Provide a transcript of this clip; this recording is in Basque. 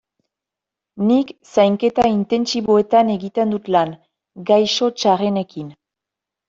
Nik Zainketa Intentsiboetan egiten dut lan, gaixo txarrenekin.